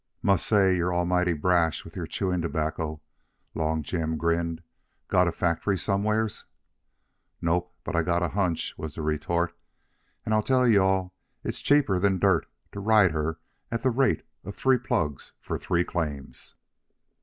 "Must say you're almighty brash with your chewin' tobacco," Long Jim grinned. "Got a factory somewheres?" "Nope, but I got a hunch," was the retort, "and I tell you all it's cheaper than dirt to ride her at the rate of three plugs for three claims."